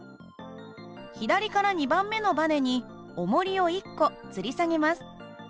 左から２番目のばねにおもりを１個つり下げます。